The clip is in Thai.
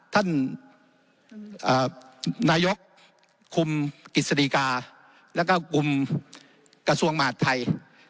ท่านนายกคุมกิจสดีกาแล้วก็คุมกระทรวงมหาดไทย